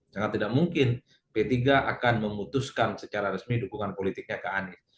sangat tidak mungkin p tiga akan memutuskan secara resmi dukungan politiknya ke anies